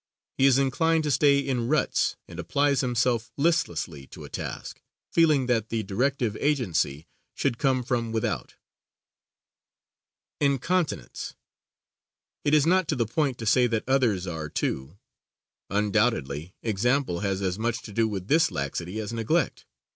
He is inclined to stay in ruts, and applies himself listlessly to a task, feeling that the directive agency should come from without. Incontinence. It is not to the point to say that others are, too. Undoubtedly, example has as much to do with this laxity as neglect.